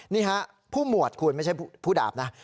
นี่ฮะผู้หมวดคุณไม่ใช่ผู้ดาบนะ